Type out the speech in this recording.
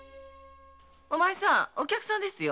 お前さんお客様ですよ。